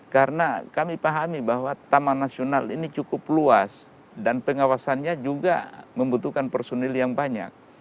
karena kami pahami bahwa taman nasional ini cukup luas dan pengawasannya juga membutuhkan personil yang banyak